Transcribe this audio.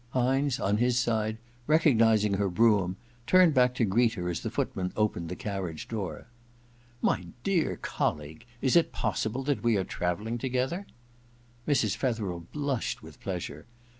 Hynes, on his side, recognizing her brougham, turned back to greet her as the footman opened the carriage door. * My dear colleague ! Is it possible that we are travelling together ?* Mrs. Fetherel blushed with pleasure.